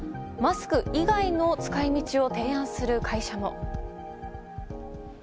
マスク以外の使い道を提案する会社も。